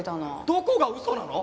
どこがウソなの？